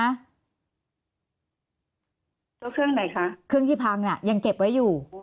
แล้วเครื่องไหนคะเครื่องที่พังยังเก็บไว้อยู่